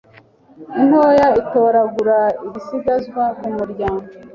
intoya itoragura ibisigazwa ku muryango